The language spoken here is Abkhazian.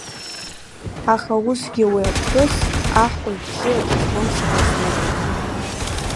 Аха усгьы уи аԥҳәыс аҳкәажә бзиа дызбон сара зны…